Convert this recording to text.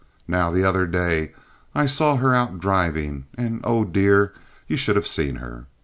Now, the other day I saw her out driving, and oh, dear! you should have seen her!